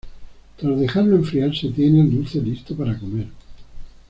Tras dejarlo enfriar se tiene el dulce listo para comer.